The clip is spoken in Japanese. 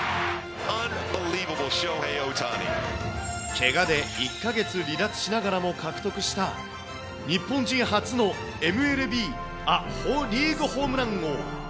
けがで１か月離脱しながらも獲得した、日本人初のＭＬＢア・リーグホームラン王。